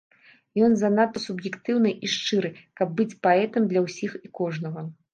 Ён занадта суб'ектыўны і шчыры, каб быць паэтам для ўсіх і кожнага.